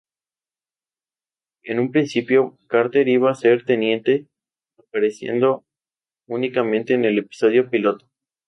En un principio, Carter iba a ser teniente, apareciendo únicamente en el episodio piloto.